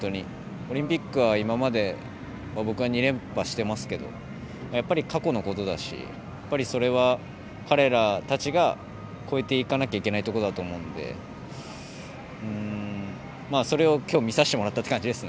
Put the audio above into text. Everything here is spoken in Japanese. オリンピックは今まで僕が２連覇してますけどやっぱり過去のことだしそれは、彼らたちが越えていかなきゃいけないところだと思うのでそれをきょう見させてもらったという感じです。